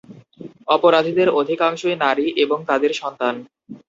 অপরাধীদের অধিকাংশই নারী এবং তাদের সন্তান।